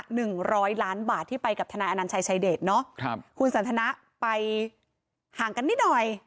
หนึ่งร้อยล้านบาทที่ไปกับทนายอนัญชัยชายเดชเนอะครับคุณสันทนะไปห่างกันนิดหน่อย